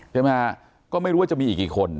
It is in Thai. ใช่ไหมฮะก็ไม่รู้ว่าจะมีอีกกี่คน